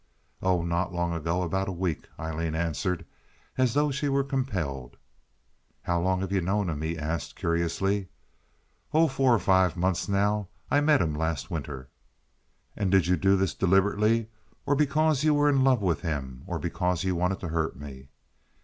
"Oh, not long ago. About a week," Aileen answered, as though she were compelled. "How long have you known him?" he asked, curiously. "Oh, four or five months, now. I met him last winter." "And did you do this deliberately—because you were in love with him, or because you wanted to hurt me?"